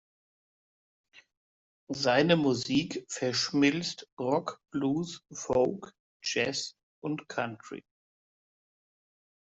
Seine Musik verschmilzt Rock, Blues, Folk, Jazz und Country.